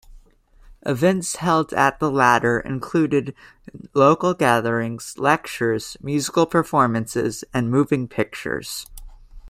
Events held at the latter included local gatherings, lectures, musical performances, and moving pictures.